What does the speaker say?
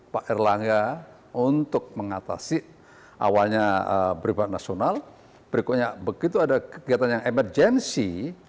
pak erlangga untuk mengatasi awalnya beribadah nasional berikutnya begitu ada kegiatan yang emergensi